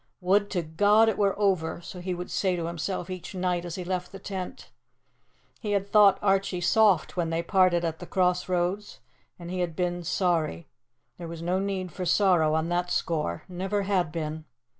Would to God it were over so he would say to himself each night as he left the tent. He had thought Archie soft when they parted at the cross roads, and he had been sorry. There was no need for sorrow on that score; never had been.